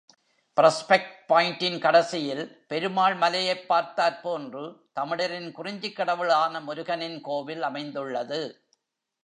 Prospect பாயிண்டின் கடைசியில் பெருமாள் மலையைப் பார்த்தாற்போன்று, தமிழரின் குறிஞ்சிக் கடவுளான முருகனின் கோவில் அமைந்துள்ளது.